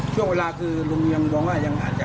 ช่วงเวลาคือลุงยังบอกว่าอย่างน้อย